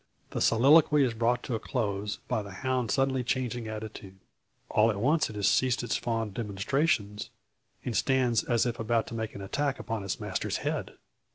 The soliloquy is brought to a close, by the hound suddenly changing attitude. All at once it has ceased its fond demonstrations, and stands as if about to make an attack upon its master's head!